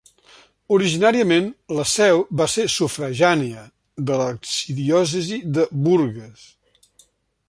Originàriament, la seu va ser sufragània de l'arxidiòcesi de Bourges.